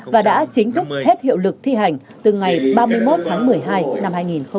và đã chính thức hết hiệu lực thi hành từ ngày ba mươi một tháng một mươi hai năm hai nghìn hai mươi